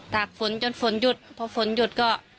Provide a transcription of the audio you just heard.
ตากฝนจนฝนหยุดพอฝนหยุดก็